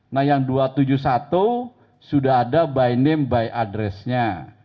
nah yang dua ratus tujuh puluh satu sudah ada by name by address nya